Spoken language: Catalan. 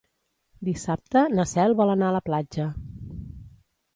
Dissabte na Cel vol anar a la platja.